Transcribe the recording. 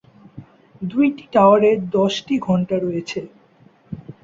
দুইটি টাওয়ারে দশটি ঘণ্টা রয়েছে।